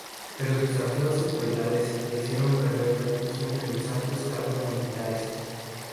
Pero sus saqueos y crueldades le hicieron perder prestigio entre los altos cargos militares.